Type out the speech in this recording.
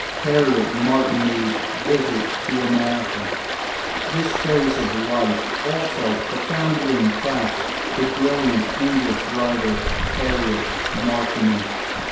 =Harriet Martineau's Visit to America.= This phase of American life also profoundly impressed the brilliant English writer, Harriet Martineau.